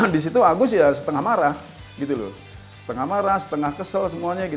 di situ agus ya setengah marah gitu loh setengah marah setengah kesel semuanya